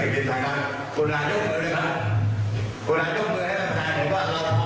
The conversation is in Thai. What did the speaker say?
ไม่ว่าเราพร้อมเราคักการยอดอยู่ต่อพื้นของเรา